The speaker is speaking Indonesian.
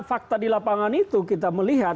fakta di lapangan itu kita melihat